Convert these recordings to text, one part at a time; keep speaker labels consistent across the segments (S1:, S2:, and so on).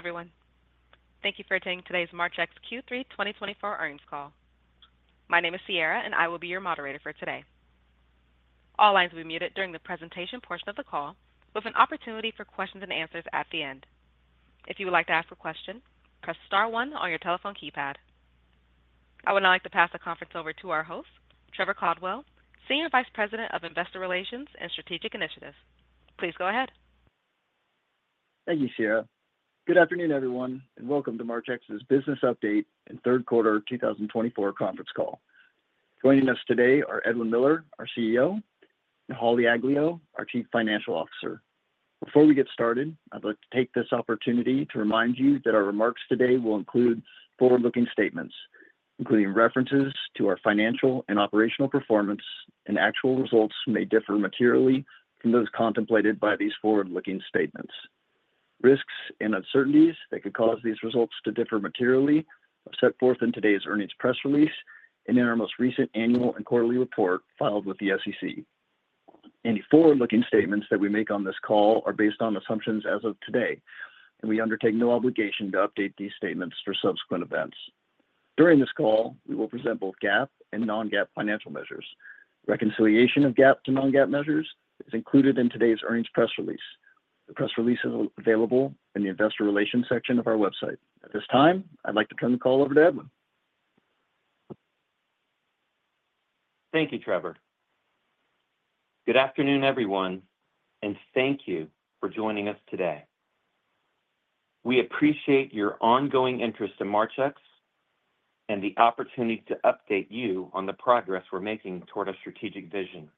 S1: Hello, everyone. Thank you for attending today's Marchex Q3 2024 earnings call. My name is Sierra, and I will be your moderator for today. All lines will be muted during the presentation portion of the call, with an opportunity for questions and answers at the end. If you would like to ask a question, press star one on your telephone keypad. I would now like to pass the conference over to our host, Trevor Caldwell, Senior Vice President of Investor Relations and Strategic Initiatives. Please go ahead.
S2: Thank you, Sierra. Good afternoon, everyone, and welcome to Marchex's Business Update and Third Quarter 2024 conference call. Joining us today are Edwin Miller, our CEO, and Holly Aglio, our Chief Financial Officer. Before we get started, I'd like to take this opportunity to remind you that our remarks today will include forward-looking statements, including references to our financial and operational performance, and actual results may differ materially from those contemplated by these forward-looking statements. Risks and uncertainties that could cause these results to differ materially are set forth in today's earnings press release and in our most recent annual and quarterly report filed with the SEC. Any forward-looking statements that we make on this call are based on assumptions as of today, and we undertake no obligation to update these statements for subsequent events. During this call, we will present both GAAP and non-GAAP financial measures. Reconciliation of GAAP to non-GAAP measures is included in today's earnings press release. The press release is available in the Investor Relations section of our website. At this time, I'd like to turn the call over to Edwin.
S3: Thank you, Trevor. Good afternoon, everyone, and thank you for joining us today. We appreciate your ongoing interest in Marchex and the opportunity to update you on the progress we're making toward our strategic vision.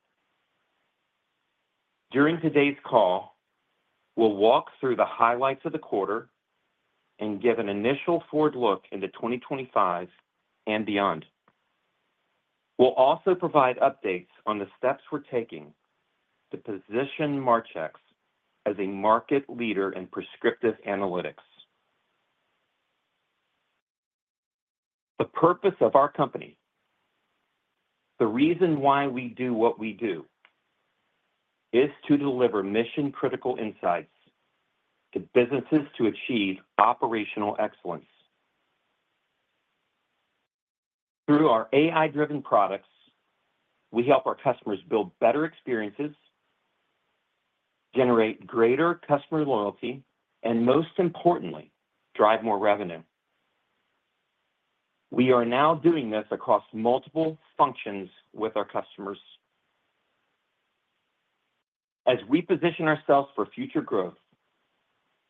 S3: During today's call, we'll walk through the highlights of the quarter and give an initial forward look into 2025 and beyond. We'll also provide updates on the steps we're taking to position Marchex as a market leader in prescriptive analytics. The purpose of our company, the reason why we do what we do, is to deliver mission-critical insights to businesses to achieve operational excellence. Through our AI-driven products, we help our customers build better experiences, generate greater customer loyalty, and most importantly, drive more revenue. We are now doing this across multiple functions with our customers. As we position ourselves for future growth,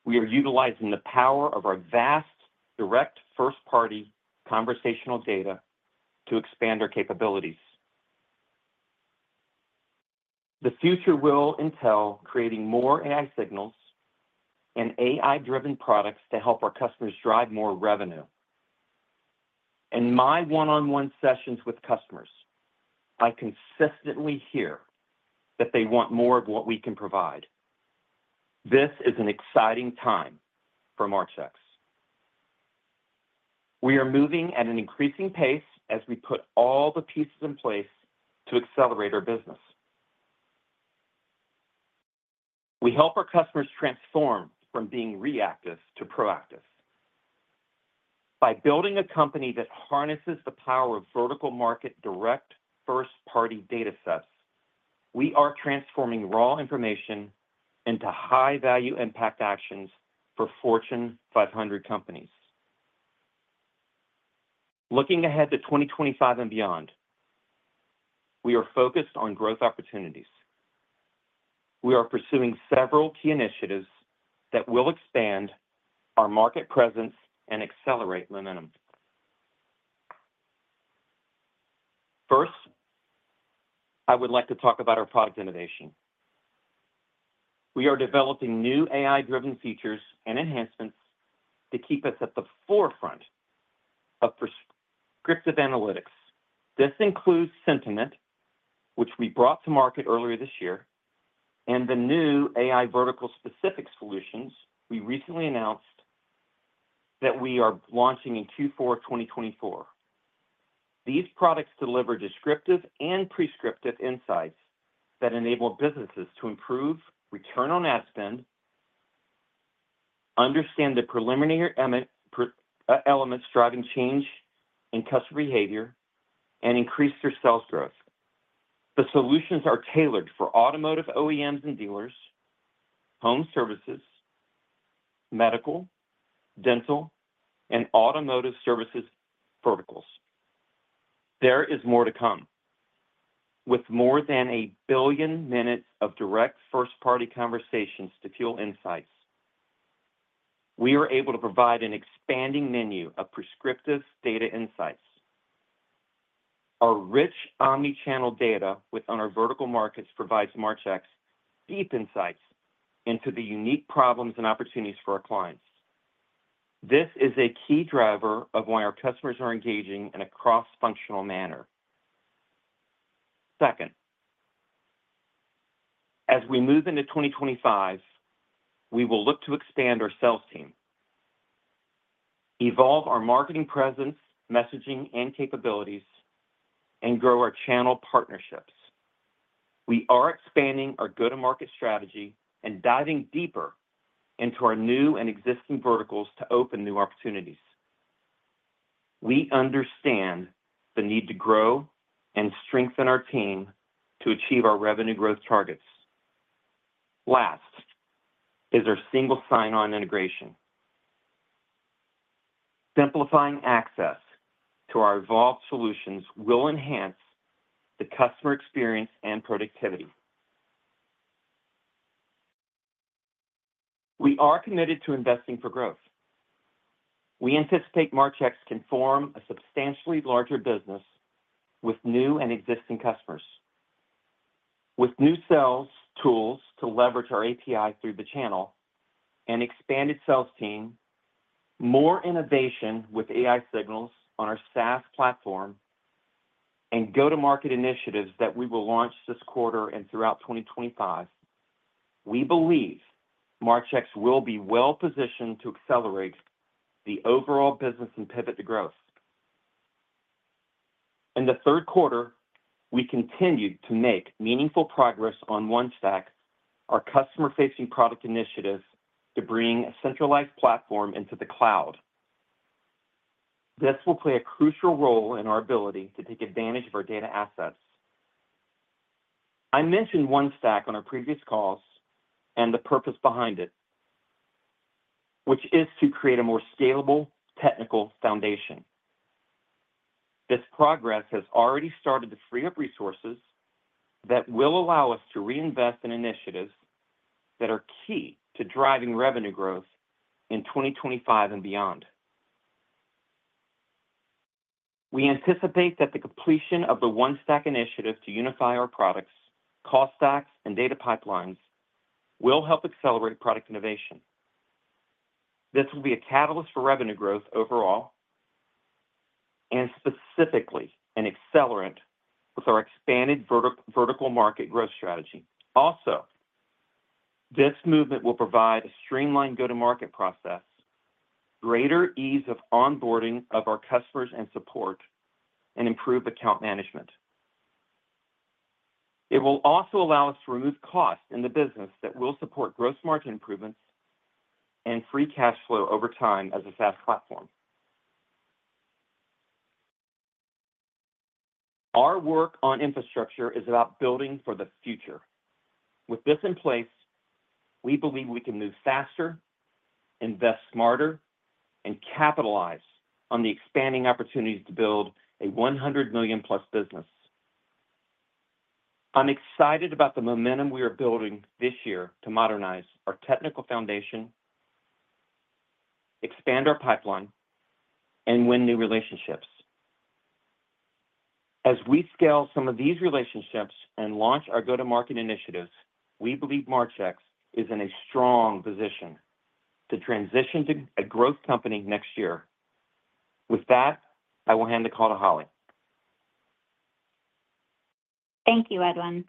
S3: we are utilizing the power of our vast direct first-party conversational data to expand our capabilities. The future will entail creating more AI signals and AI-driven products to help our customers drive more revenue. In my one-on-one sessions with customers, I consistently hear that they want more of what we can provide. This is an exciting time for Marchex. We are moving at an increasing pace as we put all the pieces in place to accelerate our business. We help our customers transform from being reactive to proactive. By building a company that harnesses the power of vertical market direct first-party data sets, we are transforming raw information into high-value impact actions for Fortune 500 companies. Looking ahead to 2025 and beyond, we are focused on growth opportunities. We are pursuing several key initiatives that will expand our market presence and accelerate momentum. First, I would like to talk about our product innovation. We are developing new AI-driven features and enhancements to keep us at the forefront of prescriptive analytics. This includes Sentiment, which we brought to market earlier this year, and the new AI vertical-specific solutions we recently announced that we are launching in Q4 2024. These products deliver descriptive and prescriptive insights that enable businesses to improve return on ad spend, understand the preliminary elements driving change in customer behavior, and increase their sales growth. The solutions are tailored for automotive OEMs and dealers, home services, medical, dental, and automotive services verticals. There is more to come. With more than a billion minutes of direct first-party conversations to fuel insights, we are able to provide an expanding menu of prescriptive data insights. Our rich omnichannel data within our vertical markets provides Marchex deep insights into the unique problems and opportunities for our clients. This is a key driver of why our customers are engaging in a cross-functional manner. Second, as we move into 2025, we will look to expand our sales team, evolve our marketing presence, messaging, and capabilities, and grow our channel partnerships. We are expanding our go-to-market strategy and diving deeper into our new and existing verticals to open new opportunities. We understand the need to grow and strengthen our team to achieve our revenue growth targets. Last is our single sign-on integration. Simplifying access to our evolved solutions will enhance the customer experience and productivity. We are committed to investing for growth. We anticipate Marchex can form a substantially larger business with new and existing customers. With new sales tools to leverage our API through the channel and expanded sales team, more innovation with AI signals on our SaaS platform, and go-to-market initiatives that we will launch this quarter and throughout 2025, we believe Marchex will be well-positioned to accelerate the overall business and pivot to growth. In the third quarter, we continue to make meaningful progress on OneStack, our customer-facing product initiatives to bring a centralized platform into the cloud. This will play a crucial role in our ability to take advantage of our data assets. I mentioned OneStack on our previous calls and the purpose behind it, which is to create a more scalable technical foundation. This progress has already started to free up resources that will allow us to reinvest in initiatives that are key to driving revenue growth in 2025 and beyond. We anticipate that the completion of the OneStack initiative to unify our products, call stacks, and data pipelines will help accelerate product innovation. This will be a catalyst for revenue growth overall and specifically an accelerant with our expanded vertical market growth strategy. Also, this movement will provide a streamlined go-to-market process, greater ease of onboarding of our customers and support, and improved account management. It will also allow us to remove costs in the business that will support growth market improvements and free cash flow over time as a SaaS platform. Our work on infrastructure is about building for the future. With this in place, we believe we can move faster, invest smarter, and capitalize on the expanding opportunities to build a 100 million-plus business. I'm excited about the momentum we are building this year to modernize our technical foundation, expand our pipeline, and win new relationships. As we scale some of these relationships and launch our go-to-market initiatives, we believe Marchex is in a strong position to transition to a growth company next year. With that, I will hand the call to Holly.
S4: Thank you, Edwin.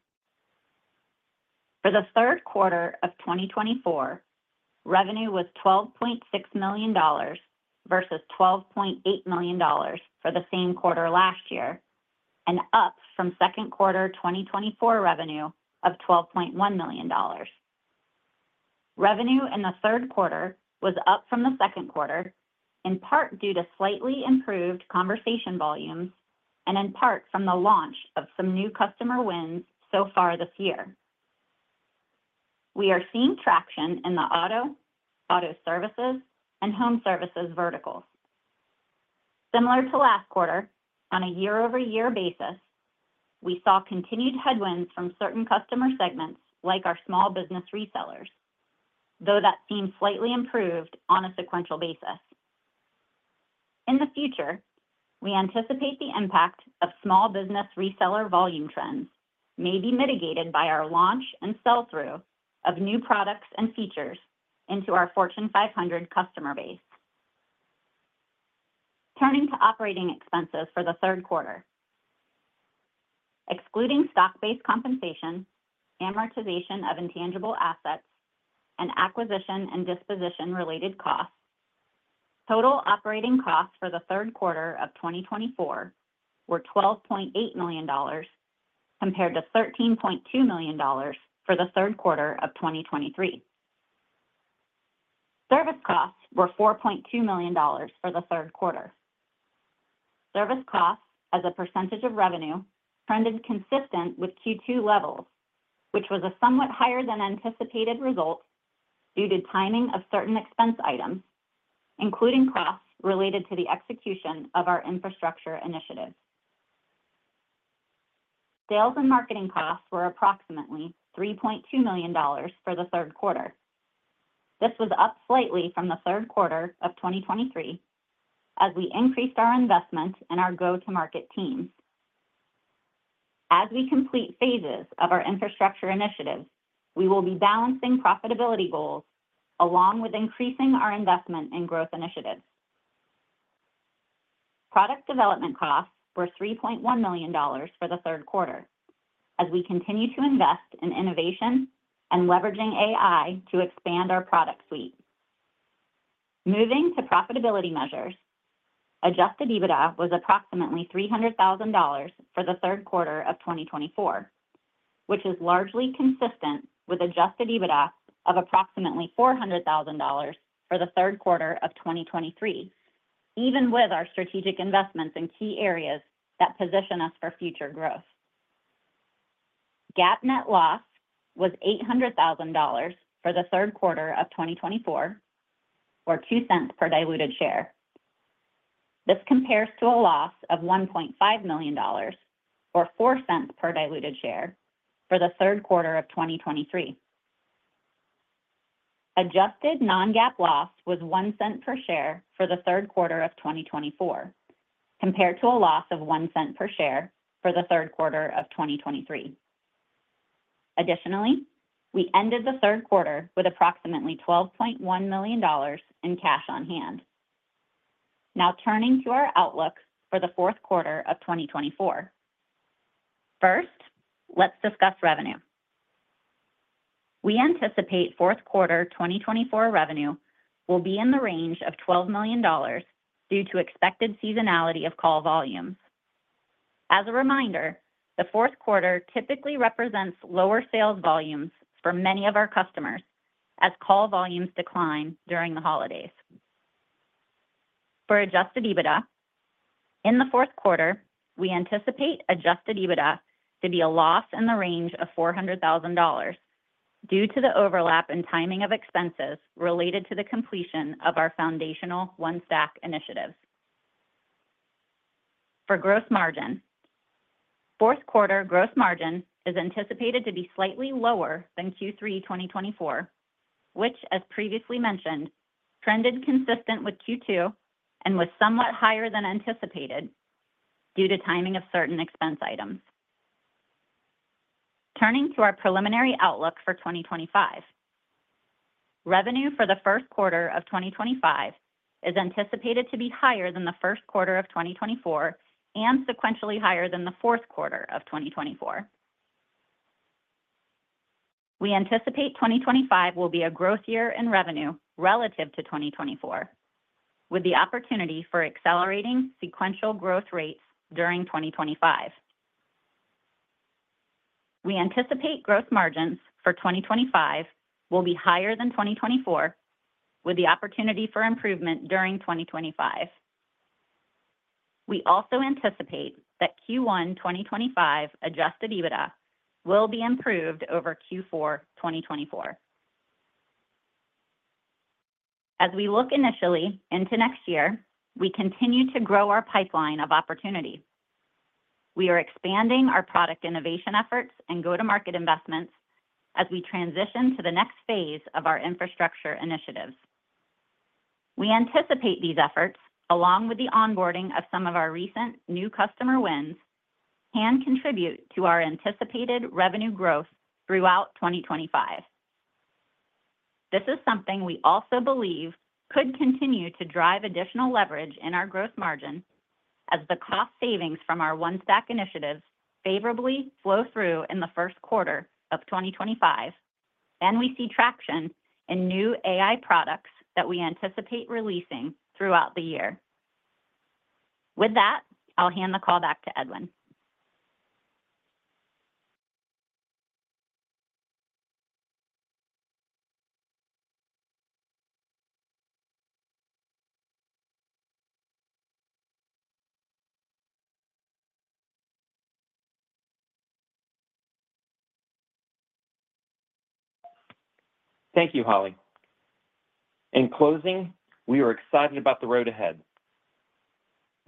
S4: For the third quarter of 2024, revenue was $12.6 million versus $12.8 million for the same quarter last year, and up from second quarter 2024 revenue of $12.1 million. Revenue in the third quarter was up from the second quarter, in part due to slightly improved conversation volumes and in part from the launch of some new customer wins so far this year. We are seeing traction in the auto, auto services, and home services verticals. Similar to last quarter, on a year-over-year basis, we saw continued headwinds from certain customer segments like our small business resellers, though that seemed slightly improved on a sequential basis. In the future, we anticipate the impact of small business reseller volume trends may be mitigated by our launch and sell-through of new products and features into our Fortune 500 customer base. Turning to operating expenses for the third quarter, excluding stock-based compensation, amortization of intangible assets, and acquisition and disposition-related costs, total operating costs for the third quarter of 2024 were $12.8 million compared to $13.2 million for the third quarter of 2023. Service costs were $4.2 million for the third quarter. Service costs, as a percentage of revenue, trended consistent with Q2 levels, which was a somewhat higher-than-anticipated result due to timing of certain expense items, including costs related to the execution of our infrastructure initiative. Sales and marketing costs were approximately $3.2 million for the third quarter. This was up slightly from the third quarter of 2023 as we increased our investment in our go-to-market teams. As we complete phases of our infrastructure initiatives, we will be balancing profitability goals along with increasing our investment in growth initiatives. Product development costs were $3.1 million for the third quarter as we continue to invest in innovation and leveraging AI to expand our product suite. Moving to profitability measures, adjusted EBITDA was approximately $300,000 for the third quarter of 2024, which is largely consistent with adjusted EBITDA of approximately $400,000 for the third quarter of 2023, even with our strategic investments in key areas that position us for future growth. GAAP net loss was $800,000 for the third quarter of 2024, or $0.02 per diluted share. This compares to a loss of $1.5 million, or $0.04 per diluted share, for the third quarter of 2023. Adjusted non-GAAP loss was $0.01 per share for the third quarter of 2024, compared to a loss of $0.01 per share for the third quarter of 2023. Additionally, we ended the third quarter with approximately $12.1 million in cash on hand. Now turning to our outlook for the fourth quarter of 2024. First, let's discuss revenue. We anticipate fourth quarter 2024 revenue will be in the range of $12 million due to expected seasonality of call volumes. As a reminder, the fourth quarter typically represents lower sales volumes for many of our customers as call volumes decline during the holidays. For adjusted EBITDA, in the fourth quarter, we anticipate adjusted EBITDA to be a loss in the range of $400,000 due to the overlap in timing of expenses related to the completion of our foundational OneStack initiatives. For gross margin, fourth quarter gross margin is anticipated to be slightly lower than Q3 2024, which, as previously mentioned, trended consistent with Q2 and was somewhat higher than anticipated due to timing of certain expense items. Turning to our preliminary outlook for 2025, revenue for the first quarter of 2025 is anticipated to be higher than the first quarter of 2024 and sequentially higher than the fourth quarter of 2024. We anticipate 2025 will be a growth year in revenue relative to 2024, with the opportunity for accelerating sequential growth rates during 2025. We anticipate gross margins for 2025 will be higher than 2024, with the opportunity for improvement during 2025. We also anticipate that Q1 2025 adjusted EBITDA will be improved over Q4 2024. As we look initially into next year, we continue to grow our pipeline of opportunity. We are expanding our product innovation efforts and go-to-market investments as we transition to the next phase of our infrastructure initiatives. We anticipate these efforts, along with the onboarding of some of our recent new customer wins, can contribute to our anticipated revenue growth throughout 2025. This is something we also believe could continue to drive additional leverage in our gross margin as the cost savings from our OneStack initiatives favorably flow through in the first quarter of 2025, and we see traction in new AI products that we anticipate releasing throughout the year. With that, I'll hand the call back to Edwin.
S3: Thank you, Holly. In closing, we are excited about the road ahead.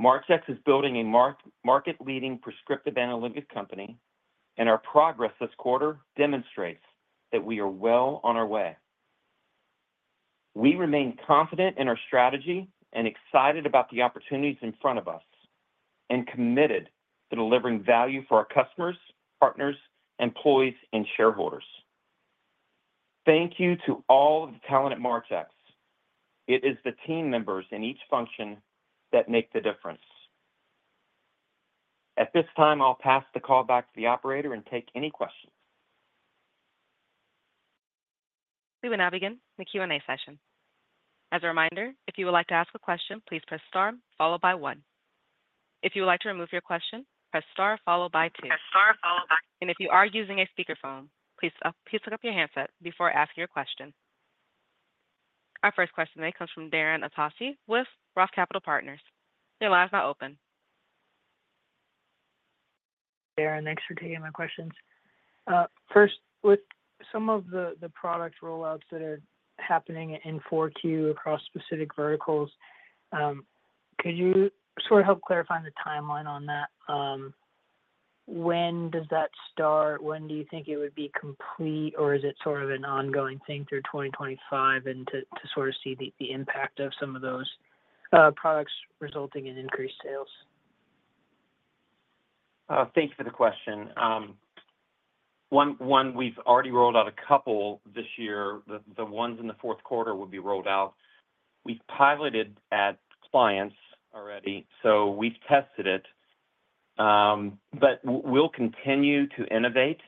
S3: Marchex is building a market-leading prescriptive analytics company, and our progress this quarter demonstrates that we are well on our way. We remain confident in our strategy and excited about the opportunities in front of us and committed to delivering value for our customers, partners, employees, and shareholders. Thank you to all of the talent at Marchex. It is the team members in each function that make the difference. At this time, I'll pass the call back to the operator and take any questions.
S5: We will now begin the Q&A session. As a reminder, if you would like to ask a question, please press star, followed by one. If you would like to remove your question, press star, followed by two. Press star, followed by. And if you are using a speakerphone, please hook up your handset before asking your question. Our first question today comes from Darren Aftahi with Roth Capital Partners. Your line is now open.
S6: Darren, thanks for taking my questions. First, with some of the product rollouts that are happening in 4Q across specific verticals, could you sort of help clarify the timeline on that? When does that start? When do you think it would be complete? Or is it sort of an ongoing thing through 2025 to sort of see the impact of some of those products resulting in increased sales?
S3: Thank you for the question. One, we've already rolled out a couple this year. The ones in the fourth quarter will be rolled out. We've piloted at clients already, so we've tested it. But we'll continue to innovate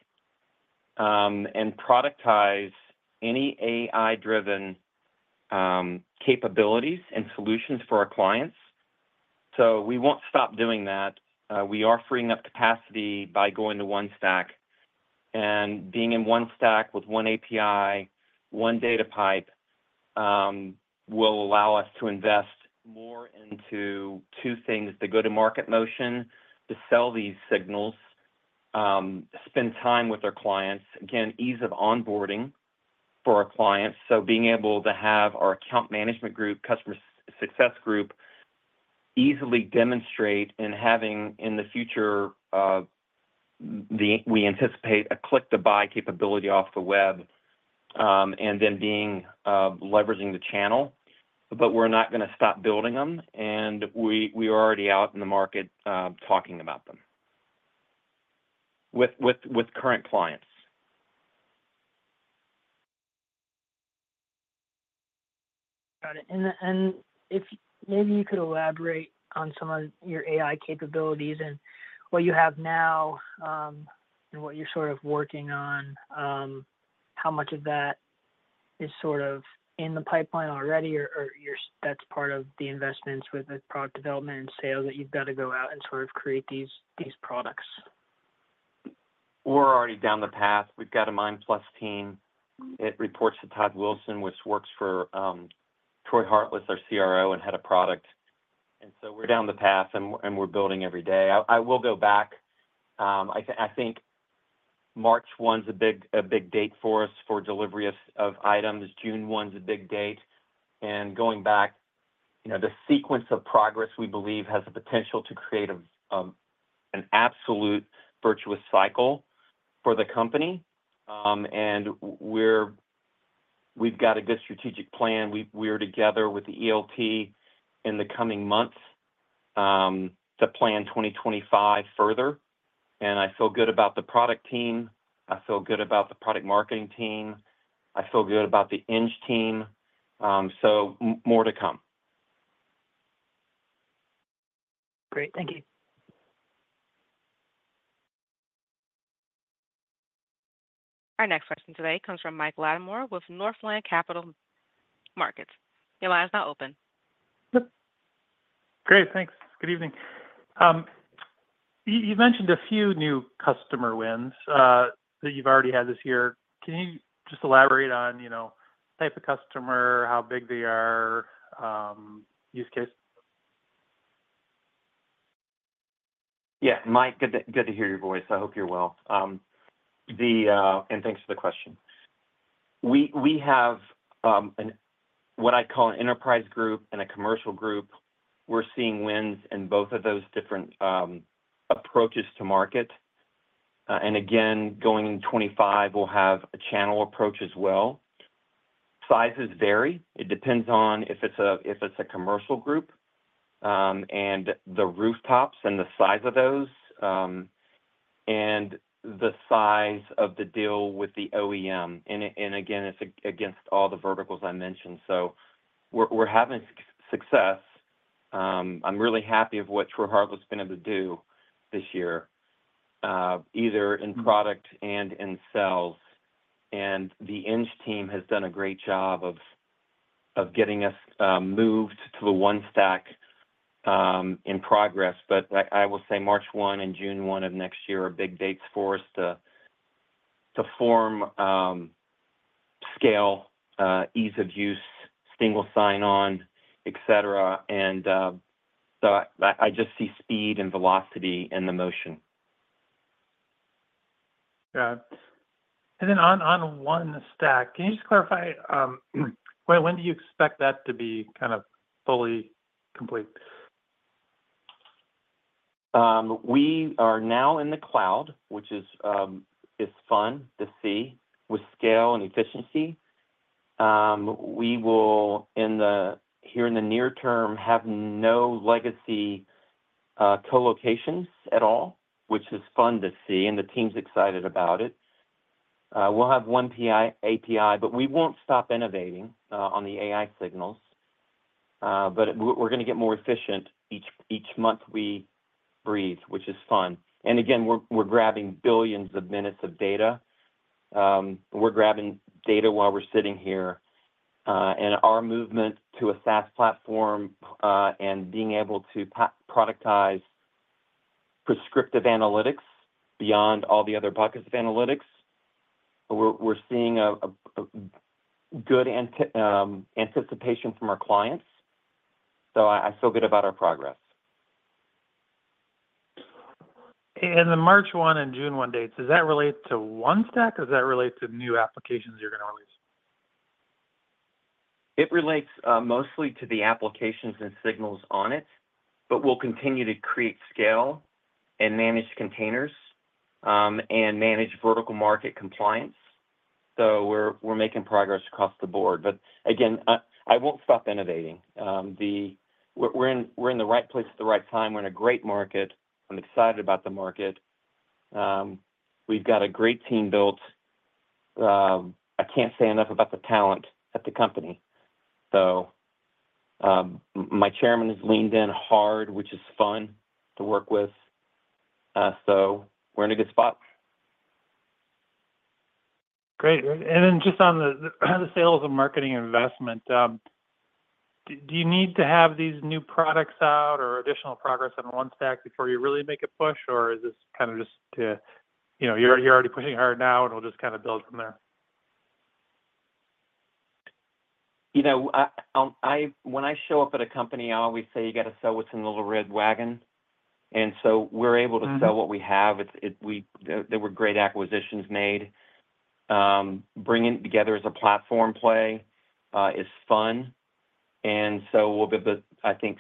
S3: and productize any AI-driven capabilities and solutions for our clients. So we won't stop doing that. We are freeing up capacity by going to OneStack. And being in OneStack with one API, one data pipe will allow us to invest more into two things: the go-to-market motion to sell these signals, spend time with our clients, again, ease of onboarding for our clients. So being able to have our account management group, customer success group, easily demonstrate and, having in the future, we anticipate a click-to-buy capability off the web and then leveraging the channel. But we're not going to stop building them, and we are already out in the market talking about them with current clients.
S6: Got it. And maybe you could elaborate on some of your AI capabilities and what you have now and what you're sort of working on, how much of that is sort of in the pipeline already, or that's part of the investments with the product development and sales that you've got to go out and sort of create these products?
S3: We're already down the path. We've got a mind-plus team. It reports to Todd Wilson, which works for Troy Hartless, our CRO and head of product, and so we're down the path, and we're building every day. I will go back. I think March 1 is a big date for us for delivery of items. June 1 is a big date, and going back, the sequence of progress we believe has the potential to create an absolute virtuous cycle for the company, and we've got a good strategic plan. We are together with the ELT in the coming months to plan 2025 further, and I feel good about the product team. I feel good about the product marketing team. I feel good about the eng team, so more to come.
S6: Great. Thank you.
S5: Our next question today comes from Mike Latimore with Northland Capital Markets. Your line is now open.
S7: Great. Thanks. Good evening. You've mentioned a few new customer wins that you've already had this year. Can you just elaborate on type of customer, how big they are, use case?
S3: Yeah. Mike, good to hear your voice. I hope you're well and thanks for the question. We have what I call an enterprise group and a commercial group. We're seeing wins in both of those different approaches to market and again, going into 2025, we'll have a channel approach as well. Sizes vary. It depends on if it's a commercial group and the rooftops and the size of those and the size of the deal with the OEM. And again, it's against all the verticals I mentioned. So we're having success. I'm really happy with what Troy Hartless has been able to do this year, either in product and in sales. And the Enge team has done a great job of getting us moved to the OneStack in progress. But I will say March 1 and June 1 of next year are big dates for us to form, scale, ease of use, single sign-on, etc. And so I just see speed and velocity in the motion.
S7: Yeah. And then on OneStack, can you just clarify when do you expect that to be kind of fully complete?
S3: We are now in the cloud, which is fun to see with scale and efficiency. We will, here in the near term, have no legacy colocations at all, which is fun to see, and the team's excited about it. We'll have one API, but we won't stop innovating on the AI signals, but we're going to get more efficient each month we breathe, which is fun, and again, we're grabbing billions of minutes of data. We're grabbing data while we're sitting here, and our movement to a SaaS platform and being able to productize prescriptive analytics beyond all the other buckets of analytics, we're seeing good anticipation from our clients, so I feel good about our progress.
S7: The March 1 and June 1 dates, is that related to OneStack? Is that related to new applications you're going to release?
S3: It relates mostly to the applications and signals on it, but we'll continue to create scale and manage containers and manage vertical market compliance. So we're making progress across the board. But again, I won't stop innovating. We're in the right place at the right time. We're in a great market. I'm excited about the market. We've got a great team built. I can't say enough about the talent at the company. So my chairman has leaned in hard, which is fun to work with. So we're in a good spot.
S7: Great. And then just on the sales and marketing investment, do you need to have these new products out or additional progress on OneStack before you really make a push? Or is this kind of just that you're already pushing hard now, and we'll just kind of build from there?
S3: When I show up at a company, I always say you got to sell what's in the little red wagon. And so we're able to sell what we have. There were great acquisitions made. Bringing together as a platform play is fun. And so we'll be able to, I think,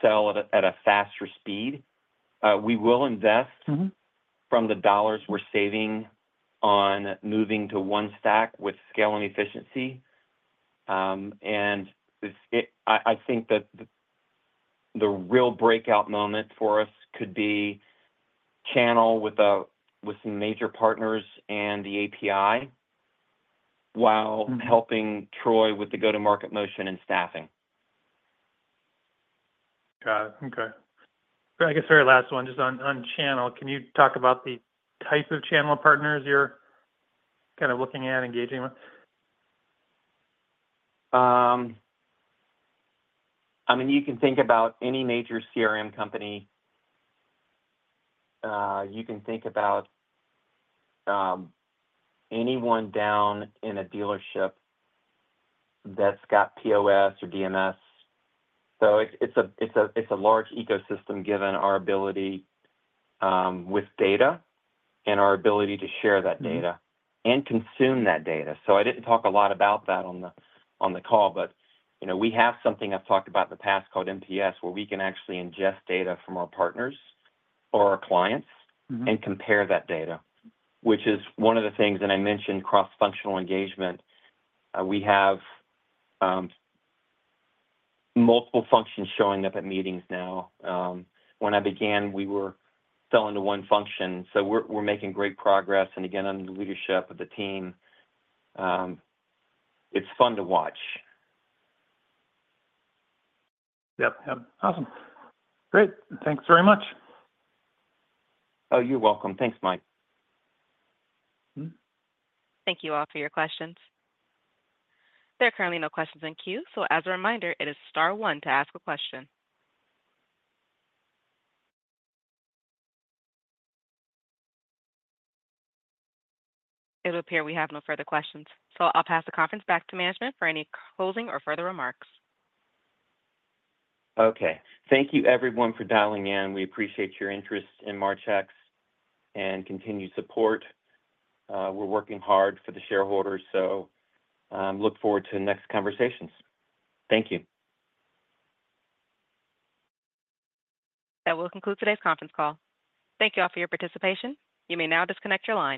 S3: sell at a faster speed. We will invest from the dollars we're saving on moving to OneStack with scale and efficiency. And I think that the real breakout moment for us could be channel with some major partners and the API while helping Troy with the go-to-market motion and staffing.
S7: Got it. Okay. I guess very last one, just on channel, can you talk about the type of channel partners you're kind of looking at, engaging with?
S3: I mean, you can think about any major CRM company. You can think about anyone down in a dealership that's got POS or DMS. So it's a large ecosystem given our ability with data and our ability to share that data and consume that data. So I didn't talk a lot about that on the call, but we have something I've talked about in the past called MPS, where we can actually ingest data from our partners or our clients and compare that data, which is one of the things. And I mentioned cross-functional engagement. We have multiple functions showing up at meetings now. When I began, we were selling to one function. So we're making great progress. And again, under the leadership of the team, it's fun to watch.
S7: Yep. Yep. Awesome. Great. Thanks very much.
S3: Oh, you're welcome. Thanks, Mike.
S5: Thank you all for your questions. There are currently no questions in queue. So as a reminder, it is star one to ask a question. It appears we have no further questions. So I'll pass the conference back to management for any closing or further remarks.
S3: Okay. Thank you, everyone, for dialing in. We appreciate your interest in Marchex and continued support. We're working hard for the shareholders, so look forward to the next conversations. Thank you.
S5: That will conclude today's conference call. Thank you all for your participation. You may now disconnect your line.